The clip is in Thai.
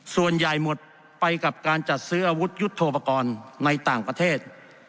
ส่วนใหญ่หมดไปกับการจัดซื้ออาวุธยุทธโปรกรณ์ในต่างประเทศ